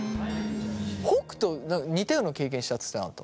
北斗似たような経験したっつってなかった？